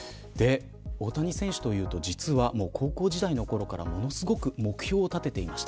大谷選手というと実は高校時代のころからものすごく目標を立てていました。